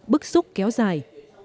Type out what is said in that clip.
bức xúc kéo dài